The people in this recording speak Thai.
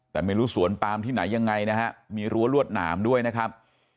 แต่ไม่รู้สวนปามที่ไหนยังไงนะฮะมีรั้วรวดหนามด้วยนะครับ